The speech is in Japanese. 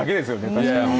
確かに。